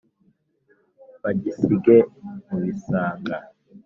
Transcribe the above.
bagisige mu bisage